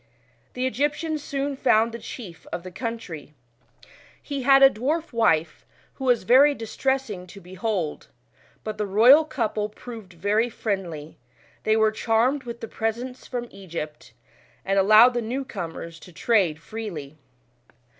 The Egyptians soon found the chief of the country. He had a dwarf wife, who was very distressing to behold ; but the royal couple proved /ery friendly ; they were charmed with the presents from Egyp f , *uid allowed the new comers to trade freely.